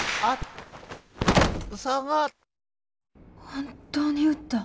本当に撃った。